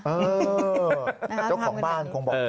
เออเจ้าของบ้านคงบอก